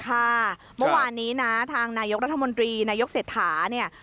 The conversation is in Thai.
เมื่อวานนี้นะทางนายกรัฐมนตรีนายกเศรษฐาเนี่ย